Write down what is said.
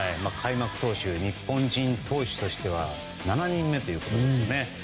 開幕投手日本人投手としては７人目ということですよね。